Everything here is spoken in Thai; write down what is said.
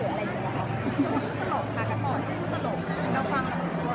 มีเสียงหัวเราะได้ตลอดก็